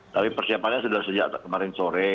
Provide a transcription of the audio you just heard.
tapi persiapannya sudah sejak kemarin sore